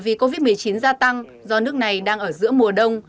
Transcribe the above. vì covid một mươi chín gia tăng do nước này đang ở giữa mùa đông